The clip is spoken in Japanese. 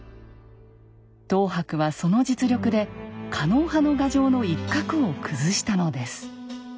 等伯はその実力で狩野派の牙城の一角を崩したのです。